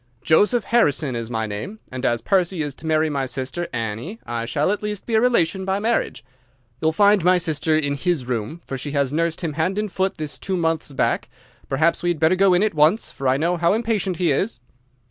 Joseph Harrison is my name, and as Percy is to marry my sister Annie I shall at least be a relation by marriage. You will find my sister in his room, for she has nursed him hand and foot this two months back. Perhaps we'd better go in at once, for I know how impatient he is."